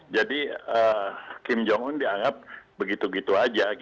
jadi kim jong un dianggap begitu begitu saja